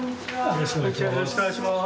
よろしくお願いします。